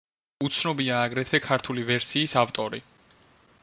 უცნობია აგრეთვე ქართული ვერსიის ავტორი.